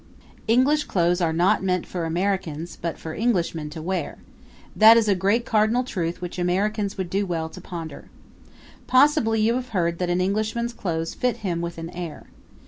English clothes are not meant for Americans, but for Englishmen to wear: that is a great cardinal truth which Americans would do well to ponder. Possibly you have heard that an Englishman's clothes fit him with an air.